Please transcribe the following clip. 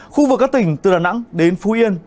khu vực các tỉnh từ đà nẵng đến phú yên